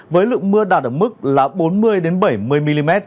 với lượng mưa đạt ở mức là bốn mươi bảy mươi mm